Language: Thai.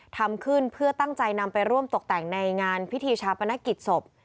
ทำขึ้นเพื่อตั้งใจนำไปร่วมตกแต่งในงานพิธีชาปนกิจศพ